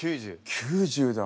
９０だ。